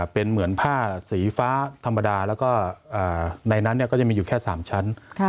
เป็นเหมือนผ้าสีฟ้าธรรมดาแล้วก็ในนั้นก็จะมีอยู่แค่๓ชั้น